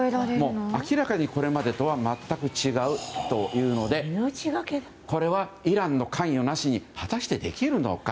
明らかに、これまでとは全く違うというのでこれはイランの関与なしに果たしてできるのか。